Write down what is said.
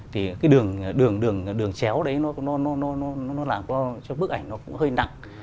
thì cái đường đường chéo đấy nó làm cho bức ảnh nó cũng hơi nặng